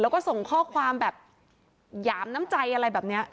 แล้วก็ส่งข้อความแบบหยามน้ำใจอะไรแบบนี้